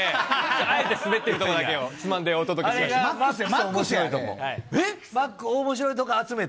あえてすべってるところだけを、つまんでお届けしました。